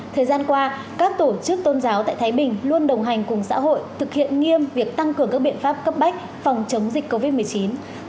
thời gian qua các tổ chức tôn giáo tại thái bình luôn đồng hành cùng xã hội thực hiện nghiêm việc tăng cường các biện pháp cấp bách phòng chống dịch covid một mươi chín